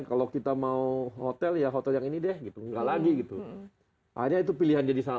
kalau kita mau hotel ya hotel yang ini deh gitu enggak lagi gitu hanya itu pilihan jadi